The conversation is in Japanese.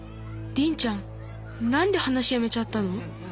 リンちゃん何で話やめちゃったの？